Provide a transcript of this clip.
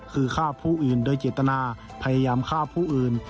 คือฆ่าผู้อื่นโดยเจตนาพยายามฆ่าผู้อื่น